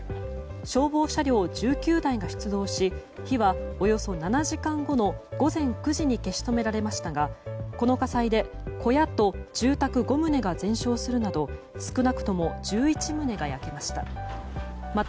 消防車両１９台が出動し火はおよそ７時間後の午前９時に消し止められましたがこの火災で小屋と住宅５棟が全焼するなど少なくとも１１棟が焼けました。